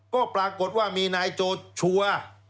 ก็ปรากฏว่ามีนายโจชัวร์